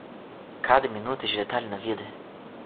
Cada minuto de detalhe na vida